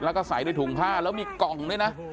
แล้วก็ใส่ด้วยถุงผ้าแล้วมีกล่องด้วยนะ